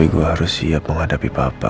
tapi gue harus siap menghadapi papa